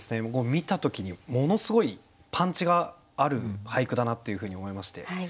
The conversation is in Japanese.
もう見た時にものすごいパンチがある俳句だなというふうに思いまして。